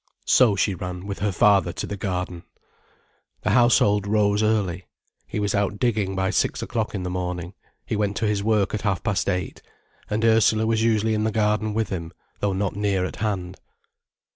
So she ran with her father to the garden. The household rose early. He was out digging by six o'clock in the morning, he went to his work at half past eight. And Ursula was usually in the garden with him, though not near at hand.